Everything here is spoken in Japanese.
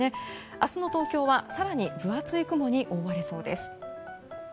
明日の東京は更に分厚い雲に覆われそうです。